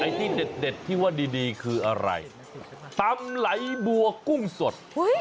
ที่เด็ดที่ว่าดีคืออะไรตำไหลบัวกุ้งสด